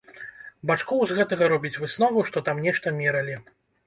Бачкоў з гэтага робіць выснову, што там нешта мералі.